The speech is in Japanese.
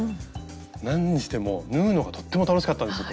何にしても縫うのがとっても楽しかったんです。